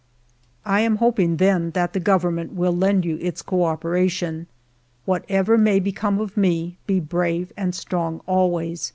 " I am hoping, then, that the Government will lend you its co operation. Whatever may be come of me, be brave and strong always.